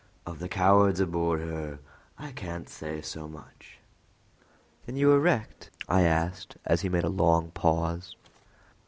Of the cowards aboard her I can't say so much." "Then you were wrecked?" I asked, as he made a long pause.